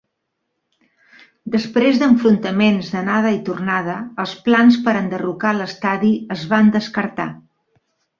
Després d'enfrontaments d'anada i tornada, els plans per enderrocar l'estadi es van descartar.